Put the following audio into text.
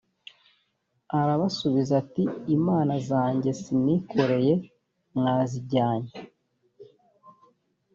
arabasubiza ati imana zanjye s nikoreye mwazijyanye